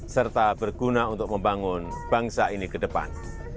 serta berguna untuk membangun bangsa ini ke depan